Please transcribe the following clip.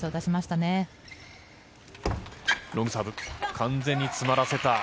完全に詰まらせた。